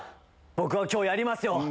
僕は今日やりますよ！